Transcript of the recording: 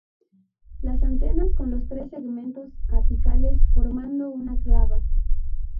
Las antenas con los tres segmentos apicales formando una clava.